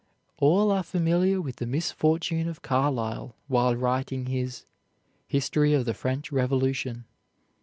All are familiar with the misfortune of Carlyle while writing his "History of the French Revolution."